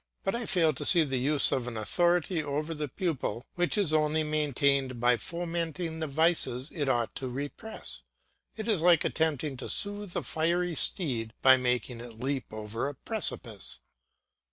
But I fail to see the use of an authority over the pupil which is only maintained by fomenting the vices it ought to repress; it is like attempting to soothe a fiery steed by making it leap over a precipice.